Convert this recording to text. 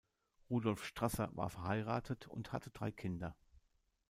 Rudolf Strasser war verheiratet und hatte drei Kinder.